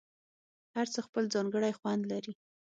هر څه خپل ځانګړی خوند لري.